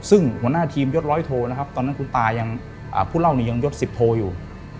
ซึ่งหัวหน้าทีมยดร้อยโทนะครับตอนนั้นคุณตายังผู้เล่านี่ยังยดสิบโทอยู่